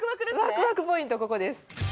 ワクワクポイント、ここです。